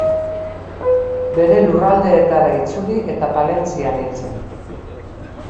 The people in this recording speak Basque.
Bere lurraldeetara itzuli eta Palentzian hil zen.